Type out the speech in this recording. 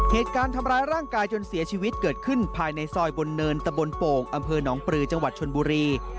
เหตุการณ์ทำร้ายร่างกายจนเสียชีวิตเกิดขึ้นภายในซอยบนเนินตะบนโป่งอำเภอหนองปลือจังหวัดชนบุรี